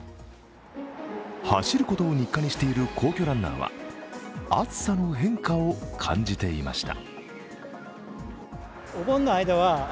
走ることを日課している皇居ランナーは、暑さの変化を感じていました。